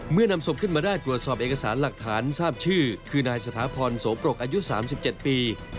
นำศพขึ้นมาได้ตรวจสอบเอกสารหลักฐานทราบชื่อคือนายสถาพรโสปรกอายุ๓๗ปี